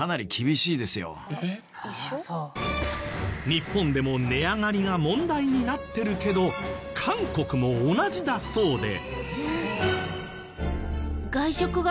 日本でも値上がりが問題になってるけど韓国も同じだそうで。